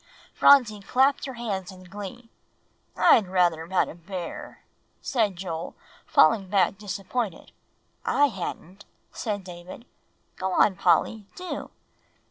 Phronsie clapped her hands in glee. "I'd rather have had a bear," said Joel, falling back disappointed. "I hadn't," said David; "go on, Polly, do."